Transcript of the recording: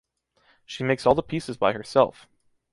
She makes all the pieces by herself.